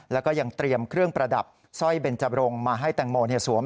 แล้วก็ยังเตรียมเครื่องประดับสร้อยเบนจบรงมาให้แตงโมสวม